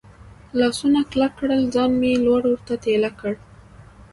لاسونه کلک کړل، ځان مې لوړ ور ټېله کړ.